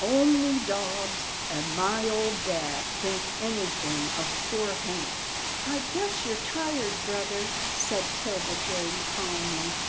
" Only dogs, and my old dad think anything of poor Hank." " I guess you're tired, brother," said 'Tilda Jane, calmly.